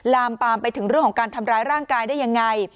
ลามปามไปถึงเรื่องของการทำร้ายร่างกายได้ยังไง